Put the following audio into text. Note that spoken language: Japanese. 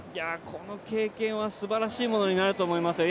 この経験はすばらしいものになると思いますよ。